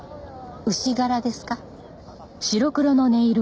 牛柄ですか？